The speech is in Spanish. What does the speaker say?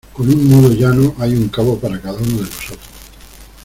con un nudo llano. hay un cabo para cada uno de nosotros